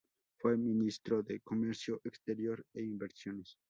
Fue ministro de Comercio Exterior e Inversiones.